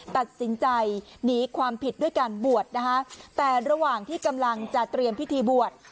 ตัดสินใจหนีความผิดด้วยการบวชนะคะแต่ระหว่างที่กำลังจะเตรียมพิธีบวช